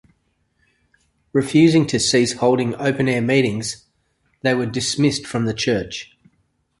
Refusing to cease holding open-air meetings, they were dismissed from the church.